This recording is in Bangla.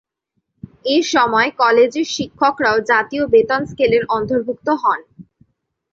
এসময় কলেজের শিক্ষকরাও জাতীয় বেতন স্কেলের অন্তর্ভুক্ত হন।